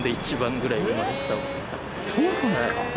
そうなんですか？